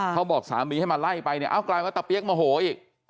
เขาบอกสามีให้มาไล่ไปเอ้ากลายเป็นว่าตะเปี๊ยกโมโหออีก